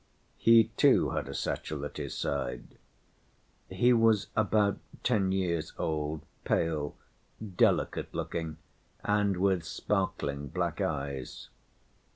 He too had a satchel at his side. He was about ten years old, pale, delicate‐looking and with sparkling black eyes.